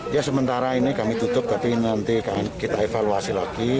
ya sementara ini kami tutup tapi nanti kita evaluasi lagi